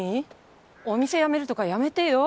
お店辞めるとかやめてよ。